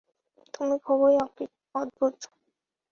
তুমি খুবই অদ্ভুত।